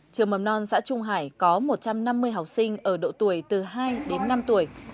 trường mầm non xã trung hải có một trăm năm mươi học sinh ở độ tuổi từ hai đến năm tuổi